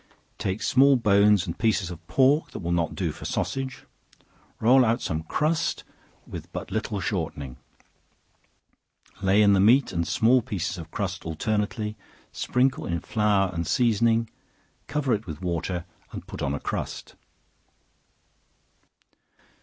Take small bones and pieces of pork that will not do for sausage; roll out some crust with but little shortening; lay in the meat and small pieces of crust alternately; sprinkle in flour and seasoning, cover it with water, and put on a crust.